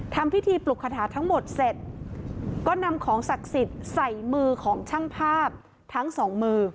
ทำพิธีปลุกคาถาทั้งหมดเสร็จก็นำของศักดิ์สิทธิ์ใส่มือของช่างภาพทั้งสองมือ